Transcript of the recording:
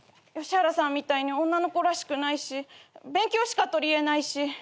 吉原さんみたいに女の子らしくないし勉強しか取りえないし。